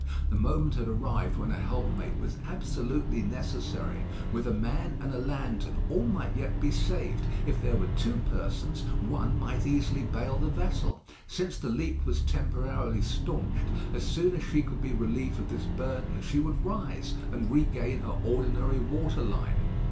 The moment had arrived when a helpmate was absolutely necessary. With a man and a lantern all might yet be saved. If there were two persons, one might easily bale the vessel. Since the leak was temporarily staunched, as soon as she could be relieved of this burden, she would rise, and regain her ordinary water line.